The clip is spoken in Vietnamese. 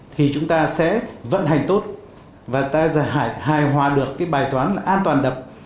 thì chúng ta sẽ vận hành tốt và ta sẽ hài hòa được cái bài toán an toàn đập